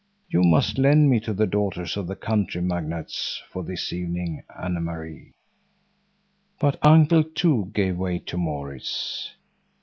You must lend me to the daughters of the county magnates for this evening, Anne Marie." But Uncle, too, gave way to Maurits.